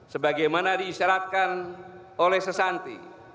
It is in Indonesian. sebagaimana disyaratkan oleh sesanti